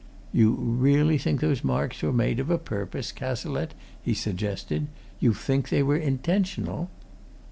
"You really think those marks were made of a purpose, Cazalette?" he suggested. "You think they were intentional?"